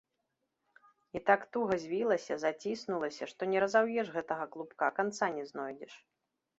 І так туга звілася, заціснулася, што не разаўеш гэтага клубка, канца не знойдзеш.